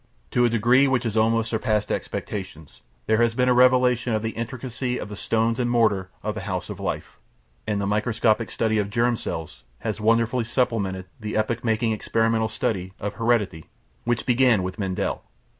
To a degree which has almost surpassed expectations there has been a revelation of the intricacy of the stones and mortar of the house of life, and the microscopic study of germ cells has wonderfully supplemented the epoch making experimental study of heredity which began with Mendel.